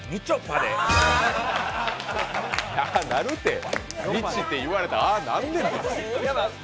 ああなるって、「みち」って言われたら、ああなるねんて。